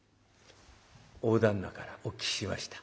大旦那からお聞きしました。